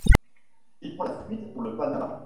Il prend la fuite pour le Panama.